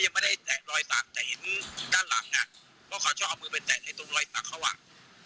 เพราะเขาชอบเอามือไปแตะในตรงรอยสักเข้าหวัง